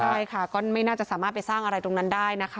ใช่ค่ะก็ไม่น่าจะสามารถไปสร้างอะไรตรงนั้นได้นะคะ